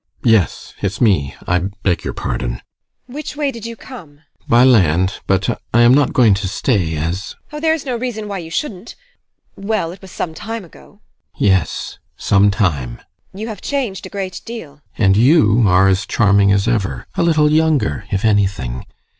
Yes, it's me I beg your pardon! TEKLA. Which way did you come? GUSTAV. By land. But I am not going to stay, as TEKLA. Oh, there is no reason why you shouldn't. Well, it was some time ago GUSTAV. Yes, some time. TEKLA. You have changed a great deal. GUSTAV. And you are as charming as ever, A little younger, if anything.